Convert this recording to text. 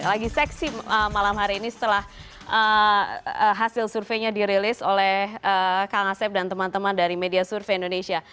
lagi seksi malam hari ini setelah hasil surveinya dirilis oleh kang asep dan teman teman dari media survei indonesia